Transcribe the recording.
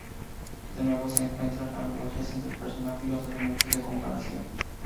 De nuevo se encuentran analogías entre el personaje y los elementos de comparación.